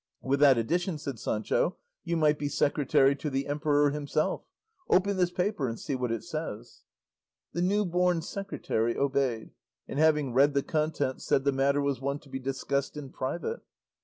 "With that addition," said Sancho, "you might be secretary to the emperor himself; open this paper and see what it says." The new born secretary obeyed, and having read the contents said the matter was one to be discussed in private.